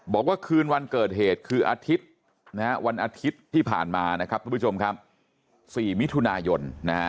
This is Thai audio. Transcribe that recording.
บอกว่าคืนวลร์เกิดเหตุคืออาทิตย์ที่ผ่านมา๔มิถุนายน